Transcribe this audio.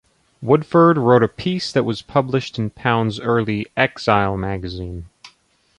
Woodford wrote a piece that was published in Pound's early "Exile" magazine.